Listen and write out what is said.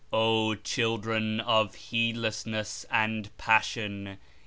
O Children of Heedlessness and Passion!